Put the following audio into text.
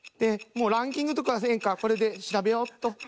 もうランキングとかはせぇへんからこれで調べよっと。